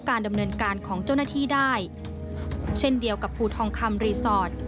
การดำเนินการของเจ้าหน้าที่ได้เช่นเดียวกับภูทองคำรีสอร์ท